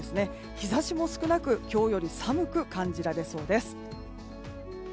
日差しも少なく今日より寒く感じられそうです。